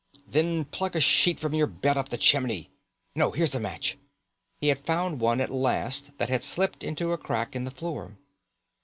"Then plug a sheet from your bed up the chimney. No, here's a match." He had found one at last that had slipped into a crack in the floor.